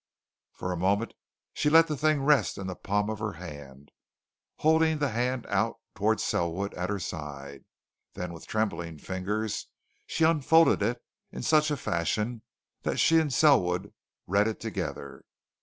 For a moment she let the thing rest in the palm of her hand, holding the hand out towards Selwood at her side; then with trembling fingers she unfolded it in such a fashion that she and Selwood read it together.